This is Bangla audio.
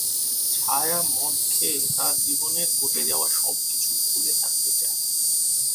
ছায়া মদ খেয়ে তার জীবনের ঘটে যাওয়া সবকিছু ভুলে থাকতে চায়।